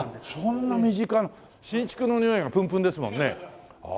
そんな新築のにおいがプンプンですもんねああ。